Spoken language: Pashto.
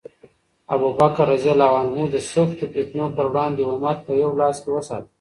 ابوبکر رض د سختو فتنو پر وړاندې امت په یو لاس کې وساته.